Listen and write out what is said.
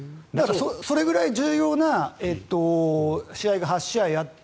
それくらい重要な試合が８試合あって。